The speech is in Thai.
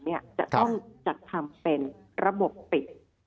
จะต้องจัดทำเป็นระบบปิด